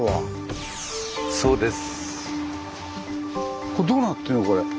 そうです。